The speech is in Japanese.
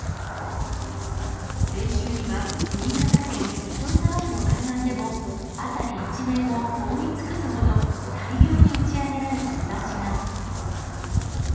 先週には、新潟県糸魚川市の海岸でも、辺り一面を覆い尽くすほど大量に打ち上げられたイワシが。